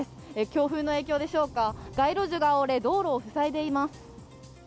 強風の影響でしょうか、街路樹が折れ、道路を塞いでいます。